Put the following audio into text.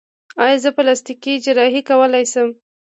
ایا زه پلاستیکي جراحي کولی شم؟